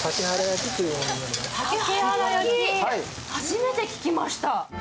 初めて聞きました。